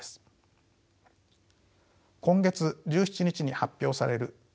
今月１７日に発表される